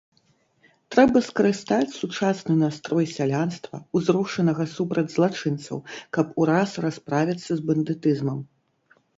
Трэба скарыстаць сучасны настрой сялянства, узрушанага супраць злачынцаў, каб ураз расправіцца з бандытызмам.